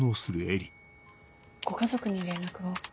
ご家族に連絡は？